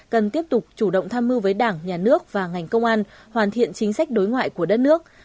cần tiếp tục chủ động tham mưu với đảng nhà nước và ngành công an hoàn thiện chính sách đối ngoại của đất nước